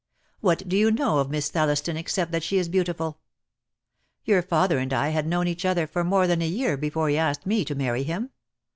^Vhat do you know of Miss Thelliston except that she is beautiful? Your father and I had known each other for more than a year before he asked jne to marry him.